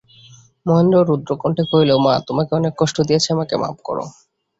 মহেন্দ্র রুদ্ধকন্ঠে কহিল, মা, তোমাকে অনেক কষ্ট দিয়াছি, আমাকে মাপ করো।